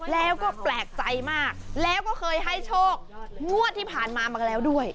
แล้วก็แปลกใจมากแล้วก็เคยให้โชคงวดที่ผ่านมามาแล้วด้วย